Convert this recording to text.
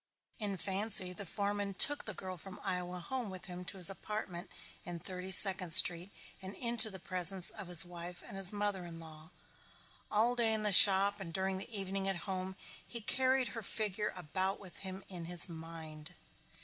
In fancy the foreman took the girl from Iowa home with him to his apartment in Thirty Second Street and into the presence of his wife and his mother in law. All day in the shop and during the evening at home he carried her figure about with him in his mind.